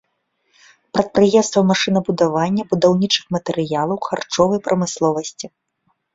Прадпрыемствы машынабудавання, будаўнічых матэрыялаў, харчовай прамысловасці.